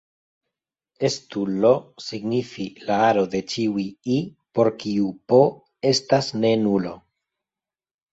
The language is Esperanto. Estu "I" signifi la aro de ĉiuj "i" por kiu "p" estas ne nulo.